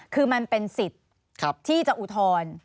คือมันเป็นสิทธิ์ที่จะอุทธรณ์